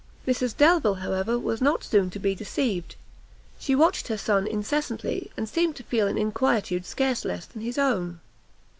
Mrs Delvile, however, was not soon to be deceived; she watched her son incessantly, and seemed to feel an inquietude scarce less than his own.